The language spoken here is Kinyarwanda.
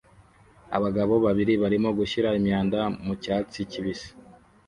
Abagabo babiri barimo gushyira imyanda mu cyatsi kibisi